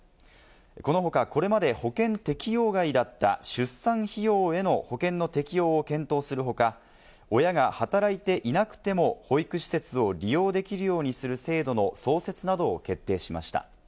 この他、これまで保険適用外だった出産費用への保険の適用を検討する他、親が働いていなくても保育施設を利用できるようにする制度の創設などを決定しました。